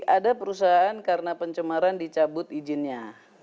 ada perusahaan karena pencemaran dicabut izinnya